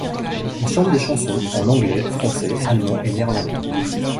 Ils chantent des chansons en anglais, français, allemand et néerlandais.